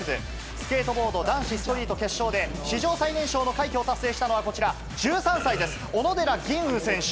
スケートボード男子ストリート決勝で史上最年少の快挙を達成したのは、こちら１３歳の小野寺吟雲選手。